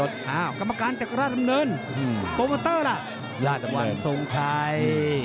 โปรเมอเตอร์ล่ะราชวันทรงชัย